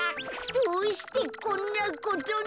どうしてこんなことに。